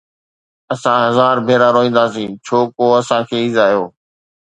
اسان هزار ڀيرا روئنداسين ڇو ڪو اسان کي ايذايو